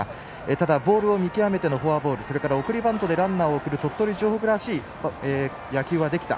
ただ、ボールを見極めてのフォアボールそれから送りバントでランナーを送る鳥取城北らしい野球はできた。